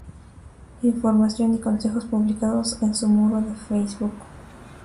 Información y consejos publicados en su muro del Facebook.